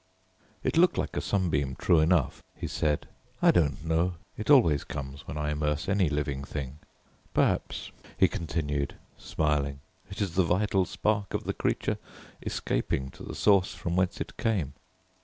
"It looked like a sunbeam true enough," he said. "I don't know, it always comes when I immerse any living thing. Perhaps," he continued, smiling, "perhaps it is the vital spark of the creature escaping to the source from whence it came."